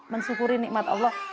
mensyukuri nikmat allah